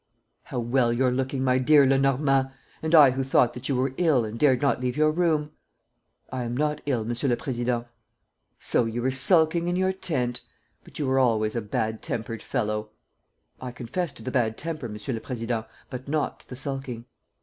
"How well you're looking, my dear Lenormand! And I who thought that you were ill and dared not leave your room!" "I am not ill, Monsieur le Président." "So you were sulking in your tent! ... But you were always a bad tempered fellow." "I confess to the bad temper, Monsieur le Président, but not to the sulking."